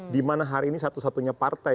dimana hari ini satu satunya partai